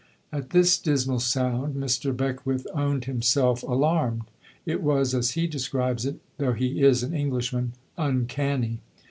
At this dismal sound Mr. Beckwith owned himself alarmed. It was, as he describes it though he is an Englishman "uncanny."